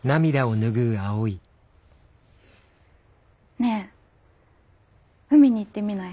ねえ海に行ってみない？